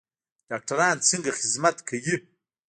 ډاکټران څنګه خدمت کوي؟